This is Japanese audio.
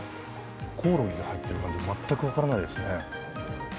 コオロギが入っている感じ全く分からないですね。